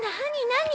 何？